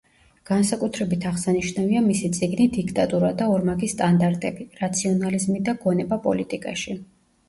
განსაკუთრებით აღსანიშნავია მისი წიგნი „დიქტატურა და ორმაგი სტანდარტები: რაციონალიზმი და გონება პოლიტიკაში“.